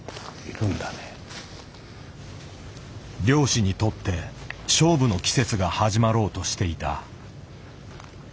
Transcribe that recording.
猟師にとって勝負の季節が始まろうとしていた。